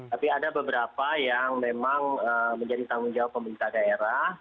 tapi ada beberapa yang memang menjadi tanggung jawab pemerintah daerah